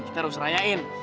kita harus rayain